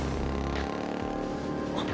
あっ。